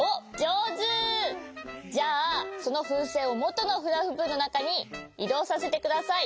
じゃあそのふうせんをもとのフラフープのなかにいどうさせてください。